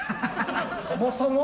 そもそも？